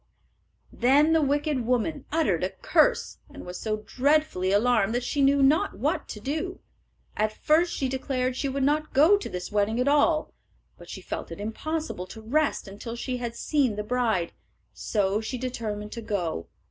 Then the wicked woman uttered a curse, and was so dreadfully alarmed that she knew not what to do. At first she declared she would not go to this wedding at all, but she felt it impossible to rest until she had seen the bride, so she determined to go.